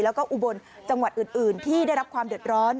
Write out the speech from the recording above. แล้วก็อุบลจังหวัดอื่นที่ได้รับความเดือดร้อน